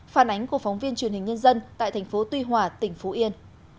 phản ánh của phóng viên truyền hình nhân dân tại tp tuy hòa tỉnh phú yên